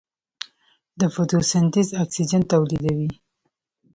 د فوټوسنتز اکسیجن تولیدوي.